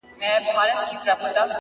گوره په ما باندي ده څومره خپه!!